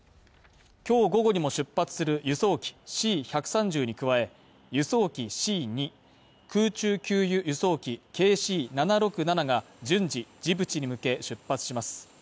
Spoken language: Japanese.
今日午後にも出発する輸送機Ｃ−１３０に加え、輸送機Ｃ−２空中給油輸送機ＫＣ−７６７が順次、ジブチに向け出発します